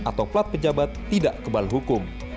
atau plat pejabat tidak kebal hukum